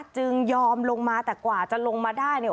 จึงยอมลงมาแต่กว่าจะลงมาได้เนี่ย